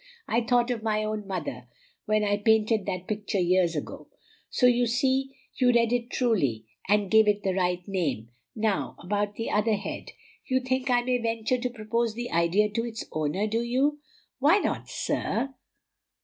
I thought of my own mother when I painted that picture years ago; so you see you read it truly, and gave it the right name. Now, about the other head; you think I may venture to propose the idea to its owner, do you?" "Why not, sir?